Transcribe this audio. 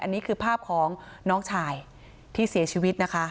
อันนี้คือภาพของน้องชายที่เสียชีวิตนะคะ